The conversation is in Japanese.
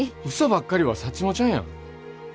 うそばっかりはサッチモちゃんやん。